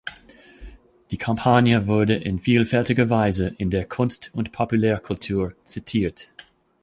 Die Kampagne wurde in vielfältiger Weise in der Kunst und Populärkultur zitiert.